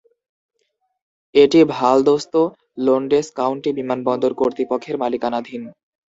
এটি Valdosta Lowndes county বিমানবন্দর কর্তৃপক্ষের মালিকানাধীন।